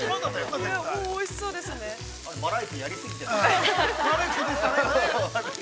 ◆バラエティー、やりすぎてるんじゃない？